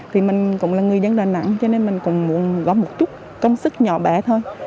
thì mình cũng là người dân đà nẵng cho nên mình cũng muốn góp một chút công sức nhỏ bé thôi